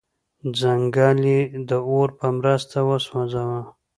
ځنګل یې د اور په مرسته وسوځاوه.